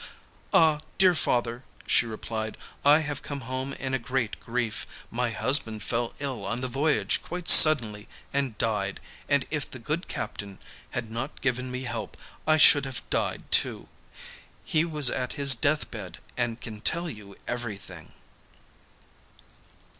'Ah, dear father,' she replied, 'I have come home in great grief; my husband fell ill on the voyage quite suddenly, and died, and if the good captain had not given me help, I should have died too. He was at his death bed and can tell you everything.